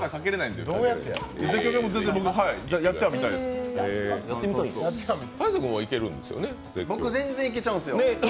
でも絶叫系、僕全然いけちゃうんですよ。